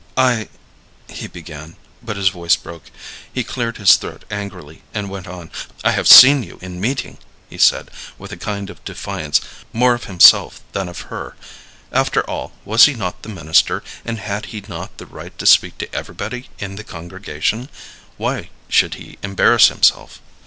"I " he began, but his voice broke. He cleared his throat angrily, and went on. "I have seen you in meeting," he said, with a kind of defiance, more of himself than of her. After all, was he not the minister, and had he not the right to speak to everybody in the congregation? Why should he embarrass himself?